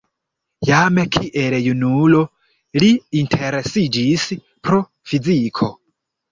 Jam kiel junulo li interesiĝis pro fiziko.